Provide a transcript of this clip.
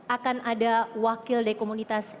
akan ada wakil dari komunitas